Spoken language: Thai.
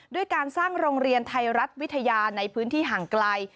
ด้วยการสร้างโรงเรียนไทยรัฐวิทยาในพื้นที่ห่างไกล